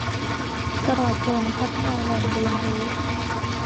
ตลอดจนพัฒนาแหล่งเรียนรู้